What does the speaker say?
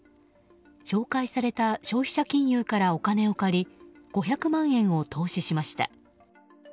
紹介された消費者金融からお金を借り５００万円を投資しました。